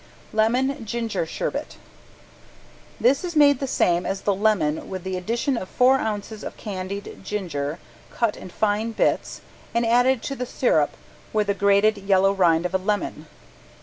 ~LEMON GINGER SHERBET~ This is made the same as the lemon with the addition of four ounces of candied ginger cut in fine bits and added to the sirup with the grated yellow rind of a lemon.